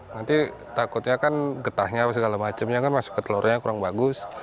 nanti takutnya kan getahnya apa segala macamnya kan masuk ke telurnya kurang bagus